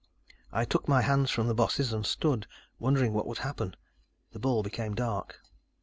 I took my hands from the bosses and stood, wondering what would happen. The ball became dark.